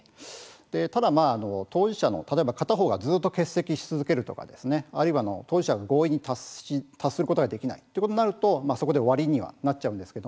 ただ当事者の例えば、片方がずっと欠席し続けるあるいは当事者と合意に達することができないということになるとそこで終わりにはなってしまいます。